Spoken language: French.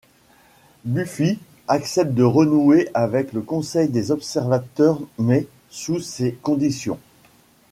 Buffy accepte de renouer avec le Conseil des Observateurs mais sous ses conditions.